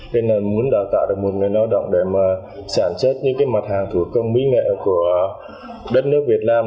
nên là muốn đào tạo được một người lao động để mà sản xuất những cái mặt hàng thủ công mỹ nghệ của đất nước việt nam